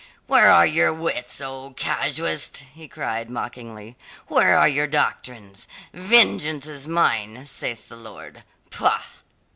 "Where are your wits, O casuist?" he cried mockingly. "Where are your doctrines? 'Vengeance is mine, saith the Lord!' Pah!"